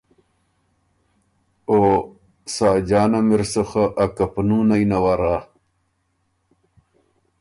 او ساجان م اِر سُو خه ا کپنُونئ نَوَرّا